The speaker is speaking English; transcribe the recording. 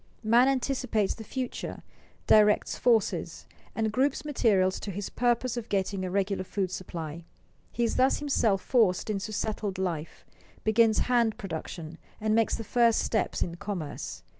Man anticipates the future, directs forces, and groups materials to his purpose of getting a regular food supply. He is thus himself forced into settled life, begins hand production, and makes the first steps in commerce.